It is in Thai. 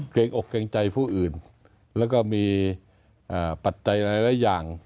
เกรงอกเกรงใจผู้อื่นแล้วก็มีปัจจัยหลายอย่าง